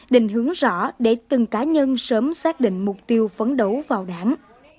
định hướng rõ để từng cá nhân sớm xác định mục tiêu phấn đấu vào đảng